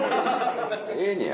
ええねや。